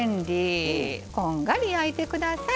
こんがり焼いて下さい。